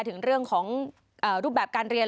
ถึงเรื่องของรูปแบบการเรียน